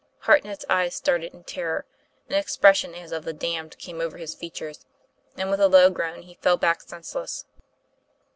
Hartnett's eyes started in terror; an expression as of the damned came over his features, and with a low groan he fell back senseless.